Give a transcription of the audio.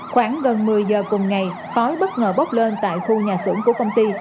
khoảng gần một mươi giờ cùng ngày khói bất ngờ bốc lên tại khu nhà xưởng của công ty